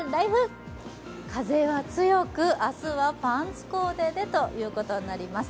風は強く明日はパンツコーデでということになります。